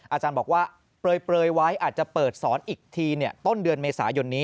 อาจารย์บอกว่าเปลยไว้อาจจะเปิดสอนอีกทีต้นเดือนเมษายนนี้